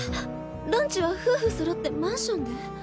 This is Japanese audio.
ランチは夫婦そろってマンションで？